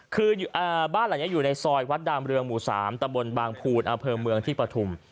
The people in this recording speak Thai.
คือบ้านหลังนี้อยู่ในซอยวัดดามเรืองหมู่๓ตะบนบางภูนอำเภอเมืองที่ปฐุม